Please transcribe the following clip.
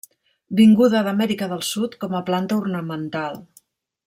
Vinguda d'Amèrica del sud com a planta ornamental.